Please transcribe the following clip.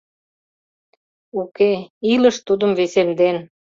Уке, Илыш тудым весемден.